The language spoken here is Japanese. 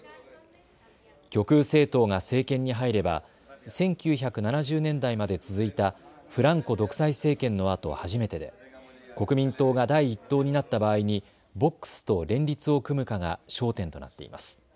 極右政党が政権に入れば１９７０年代まで続いたフランコ独裁政権のあと初めてで国民党が第１党になった場合にボックスと連立を組むかが焦点となっています。